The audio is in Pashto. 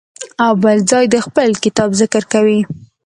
او بل ځای د خپل کتاب ذکر کوي.